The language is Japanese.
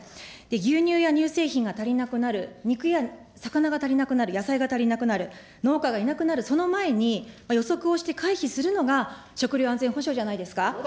牛乳や乳製品が足りなくなる、肉や魚が足りなくなる、野菜が足りなくなる、農家がいなくなる、その前に、予測をして回避するのが、食料安全保障じゃないですか。